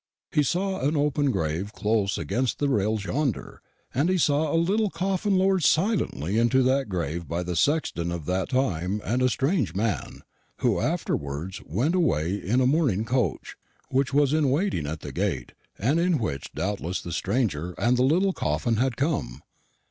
He saw an open grave close against the rails yonder, and he saw a little coffin lowered silently into that grave by the sexton of that time and a strange man, who afterwards went away in a mourning coach, which was in waiting at the gate, and in which doubtless the stranger and the little coffin had come.